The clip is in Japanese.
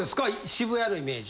渋谷のイメージ。